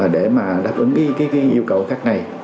để mà đáp ứng cái yêu cầu khác này